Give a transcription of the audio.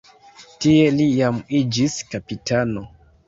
Tie li jam iĝis kapitano.